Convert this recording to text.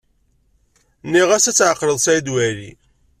Nniɣ-as ad tɛeqleḍ Saɛid Waɛli.